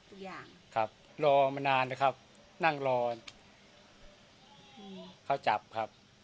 ทุกอย่างครับรอมานานนะครับนั่งรอเขาจับครับ